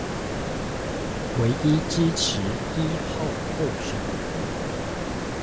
唯一支持一號候選人